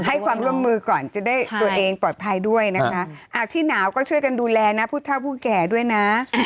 ให้ความร่วมมือก่อนจะได้ตัวเองปลอดภัยด้วยนะคะที่หนาวก็ช่วยกันดูแลนะผู้เท่าผู้แก่ด้วยนะ